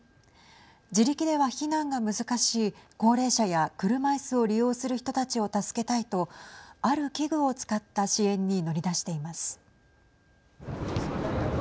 自力では避難が難しい高齢者や車いすを利用する人たちを助けたいとある器具を使った支援に乗り出しています。